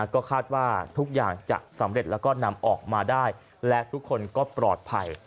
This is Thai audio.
ก็คาดว่าทุกอย่างจะสำเร็จแล้วก็นำออกมาได้และทุกคนก็ปลอดภัย